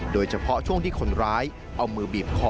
โดยเฉพาะช่วงที่คนร้ายเอามือบีบคอ